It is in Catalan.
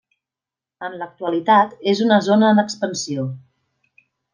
En l'actualitat és una zona en expansió.